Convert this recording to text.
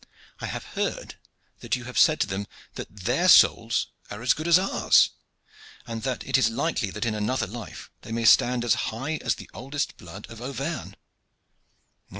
I have heard that you have said to them that their souls are as good as ours, and that it is likely that in another life they may stand as high as the oldest blood of Auvergne.